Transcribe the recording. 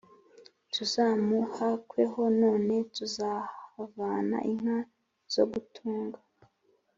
« tuzamuhakweho, none twazahavana inka zo gutunga»,